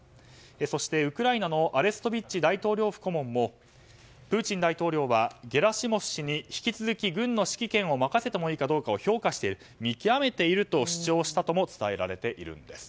そして、ウクライナのアレストビッチ大統領府顧問もプーチン大統領はゲラシモフ氏に引き続き、軍の指揮権を任せてもいいか評価して見極めているとも伝えられているんです。